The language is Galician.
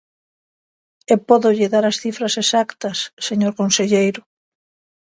E pódolle dar as cifras exactas, señor conselleiro.